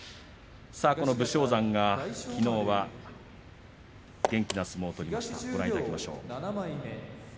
武将山、きのうは元気な相撲を取りました。